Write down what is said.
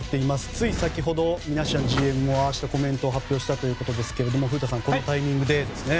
つい先ほどミナシアンＧＭはああしたコメントを発表したということですが古田さん、このタイミングでですね。